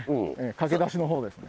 駆け出しの方ですね。